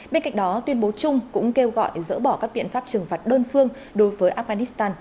bên cạnh đó tuyên bố chung cũng kêu gọi dỡ bỏ các biện pháp trừng phạt đơn phương đối với afghanistan